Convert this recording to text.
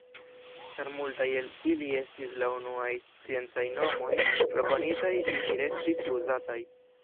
Ĉar multaj el ili estis la unuaj sciencaj nomoj proponitaj ili restis uzataj.